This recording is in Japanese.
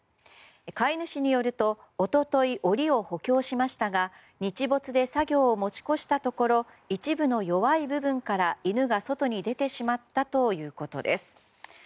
飼い主によると一昨日、檻を補強しましたが日没で作業を持ち越したところ一部の弱い部分から犬が外に出てしまったということです。